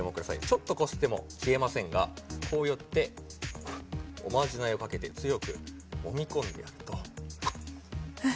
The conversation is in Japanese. ちょっとこすっても消えませんがこうやっておまじないをかけて強くもみ込んでやるとえっ？